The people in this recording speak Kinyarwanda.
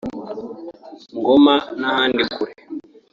Ngoma n’ahandi kure